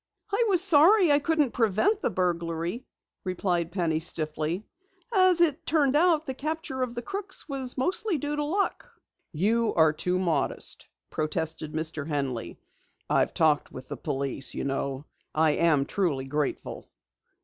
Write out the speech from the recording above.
"I was sorry I couldn't prevent the burglary," replied Penny stiffly. "As it turned out, the capture of the crooks was mostly due to luck." "You are too modest," protested Mr. Henley. "I've talked with the police, you know. I am truly grateful."